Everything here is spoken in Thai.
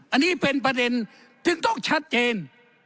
อันนี้เป็นประเด็นจึงต้องชัดเจน